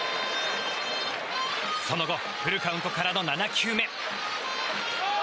その後フルカウントからの７球目。